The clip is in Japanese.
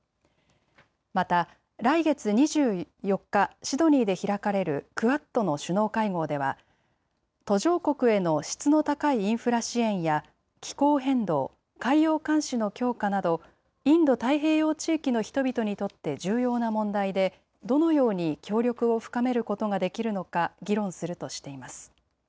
また来月２４日、シドニーで開かれるクアッドの首脳会合では途上国への質の高いインフラ支援や気候変動、海洋監視の強化などインド太平洋地域の人々にとって重要な問題でどのように協力を深めることができるのか議論するとしています。